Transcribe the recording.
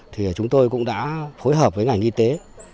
thì chúng tôi cũng đã phối hợp với ngành y tế